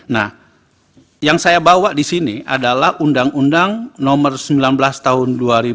nah yang saya bawa di sini adalah undang undang nomor sembilan belas tahun dua ribu dua